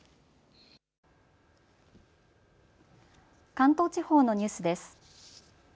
関東地方のニュースです。